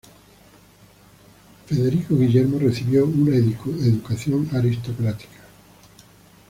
Federico Guillermo recibió una educación aristocrática.